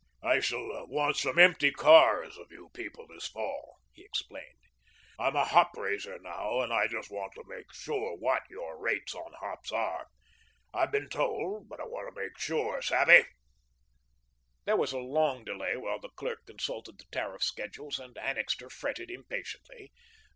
"I shall want some empty cars of you people this fall," he explained. "I'm a hop raiser now, and I just want to make sure what your rates on hops are. I've been told, but I want to make sure. Savvy?" There was a long delay while the clerk consulted the tariff schedules, and Annixter fretted impatiently.